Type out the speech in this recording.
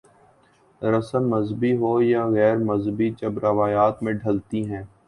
رسم مذہبی ہو یا غیر مذہبی جب روایت میں ڈھلتی ہے۔